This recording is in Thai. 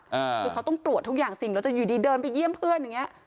คือเขาต้องตรวจทุกอย่างสิ่งเราจะอยู่ดีเดินไปเยี่ยมเพื่อนอย่างเงี้ย